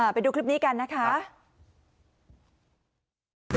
ไปดูคลิปนี้กันนะคะ